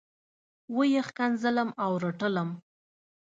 وه یې ښکنځلم او رټلم.